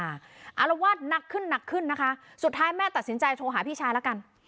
อารวาสหนักขึ้นหนักขึ้นนะคะสุดท้ายแม่ตัดสินใจโทรหาพี่ชายแล้วกัน